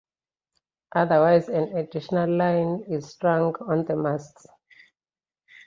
Otherwise an additional line is strung on the masts.